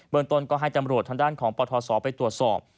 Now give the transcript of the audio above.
เบอร์ตนก็ให้จำโรจทางด้านของปศไปตรวจสอบ